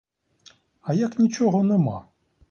А як нічого нема?